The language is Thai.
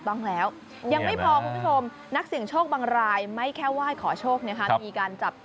ตองเรายังไม่พบคุณผู้ชมนักเสี่ยงโชคบังรายไม่แค่ว่าขอโชค